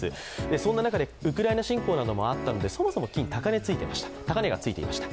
そんな中で、ウクライナ侵攻などもあったので、そもそも金は高値がついていました。